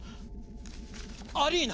アリーナ！